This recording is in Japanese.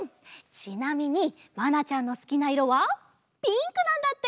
ちなみにまなちゃんのすきないろはピンクなんだって！